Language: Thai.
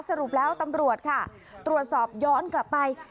สรุปแล้วตำรวจค่ะตรวจสอบย้อนกลับไป